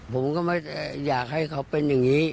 ผมก็ไม่อยากให้เขาเป็นอย่างนี้